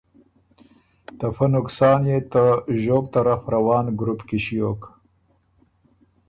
ته فۀ نقصان يې ته ژوب طرف روان ګروپ کی ݭیوک